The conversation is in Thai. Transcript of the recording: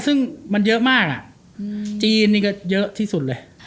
ซึ่งมันเยอะมากจีนนี่ก็เยอะที่สุดเลย